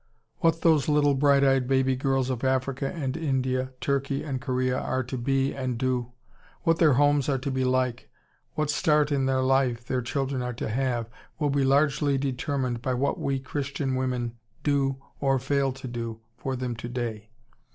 _ What those little bright eyed baby girls of Africa and India, Turkey and Korea are to be and do, what their homes are to be like, what start in life their children are to have, will be largely determined by what we Christian women do or fail to do for them today.